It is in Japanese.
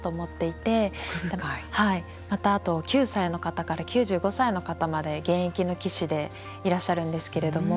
またあと９歳の方から９５歳の方まで現役の棋士でいらっしゃるんですけれども。